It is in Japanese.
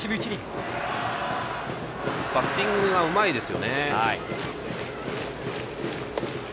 バッティングがうまいです。